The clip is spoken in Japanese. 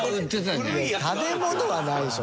食べ物はないでしょ